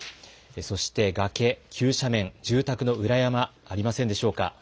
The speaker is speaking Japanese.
そして崖、急斜面、住宅の裏山、ありませんでしょうか。